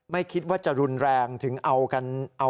ไม่คิดว่าจะรุนแรงถึงเอา